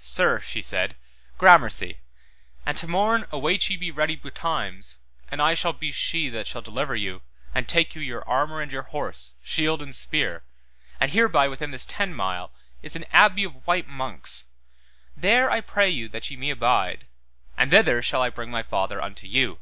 Sir, she said, gramercy, and to morn await ye be ready betimes and I shall be she that shall deliver you and take you your armour and your horse, shield and spear, and hereby within this ten mile, is an abbey of white monks, there I pray you that ye me abide, and thither shall I bring my father unto you.